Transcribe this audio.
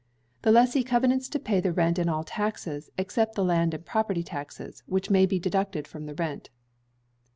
The lessee covenants to pay the rent and all taxes, except the land and property taxes, which may be deducted from the rent.